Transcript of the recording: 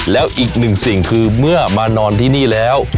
แล้วอีกหนึ่งสิ่งคือเมื่อมานอนที่นี่แล้ว